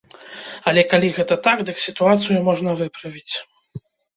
Але калі гэта так, дык сітуацыю можна выправіць.